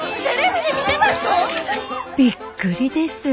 びっくりです。